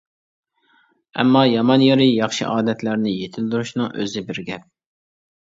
ئەمما، يامان يېرى، ياخشى ئادەتلەرنى يېتىلدۈرۈشنىڭ ئۆزى بىر گەپ.